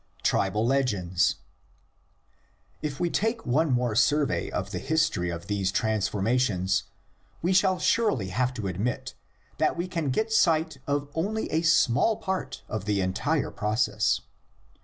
TRIBAL LEGENDS. If we take one more survey of the history of these transformations, we shall surely have to admit that we can get sight of only a small part of the entire process.